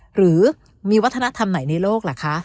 หรือมีวัฒนธรรมไหนในโลกล่ะคะ